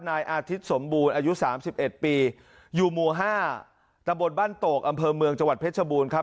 นายอาทิตย์สมบูรณ์อายุสามสิบเอ็ดปีอยู่หมู่๕ตำบลบ้านโตกอำเภอเมืองจังหวัดเพชรบูรณ์ครับ